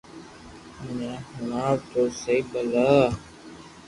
مني ھڻاو تو سھي ڀلا